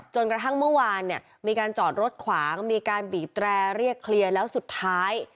จนกระทั่งเมื่อวานเนี่ยมีการจอดรถขวางมีการบีบแตรเรียกเคลียร์แล้วสุดท้าย